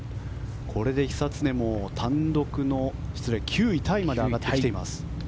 これで久常も９位タイまで上がってきています。